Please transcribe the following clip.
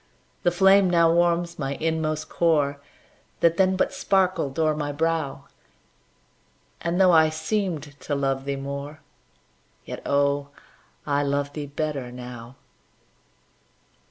The flame now warms my inmost core, That then but sparkled o'er my brow, And, though I seemed to love thee more, Yet, oh, I love thee better now.